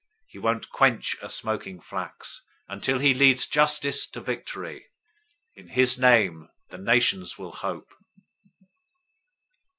He won't quench a smoking flax, until he leads justice to victory. 012:021 In his name, the nations will hope."